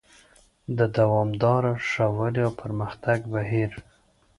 د دوامداره ښه والي او پرمختګ بهیر: